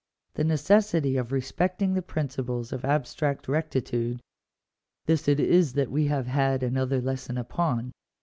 The necessity of respecting the principles of abstract rectitude — this it is that we have had another lesson upon.